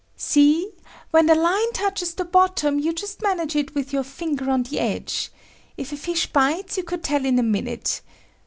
"See? When the line touches the bottom, you just manage it with your finger on the edge. If a fish bites, you could tell in a minute.